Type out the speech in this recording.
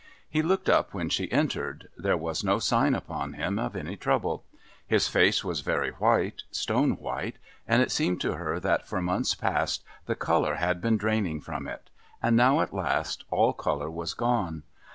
He looked up when she entered, there was no sign upon him of any trouble. His face was very white, stone white, and it seemed to her that for months past the colour had been draining from it, and now at last all colour was gone.